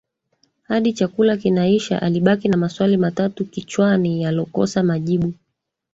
Hadi chakula kinaisha alibaki na maswali matatu kichwani yalokosa majibu